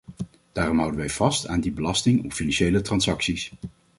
Daarom houden wij vast aan die belasting op financiële transacties.